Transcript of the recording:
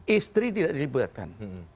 istri tidak dilibatkan